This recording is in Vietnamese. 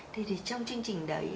thì trong chương trình đấy